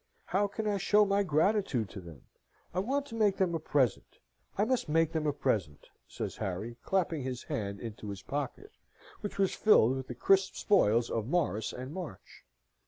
How can I show my gratitude to them? I want to make them a present: I must make them a present," says Harry, clapping his hand into his pocket, which was filled with the crisp spoils of Morris and March.